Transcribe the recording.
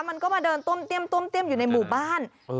มันก็มาเดินต้มเตี้ยมอยู่ในหมู่บ้าน